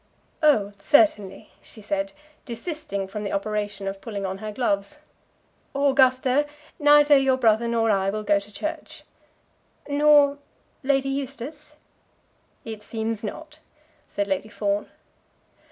"Oh, certainly," she said, desisting from the operation of pulling on her gloves. "Augusta, neither your brother nor I will go to church." "Nor Lady Eustace?" "It seems not," said Lady Fawn.